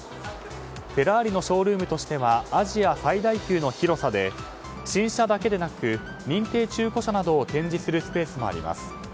フェラーリのショールームとしてはアジア最大級の広さで新車だけでなく認定中古車などを展示するスペースもあります。